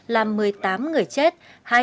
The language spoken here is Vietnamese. làm một mươi tám người chết